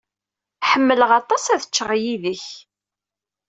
Ḥemmleɣ aṭas ad ččeɣ yid-k.